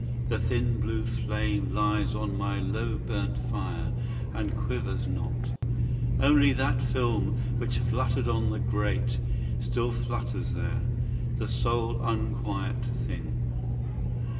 the thin blue flame Lies on my low burnt fire, and quivers not; Only that film, which fluttered on the grate, Still flutters there, the sole unquiet thing.